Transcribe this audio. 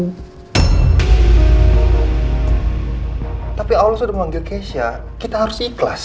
hai tapi allah sudah memanggil keisha kita harus ikhlas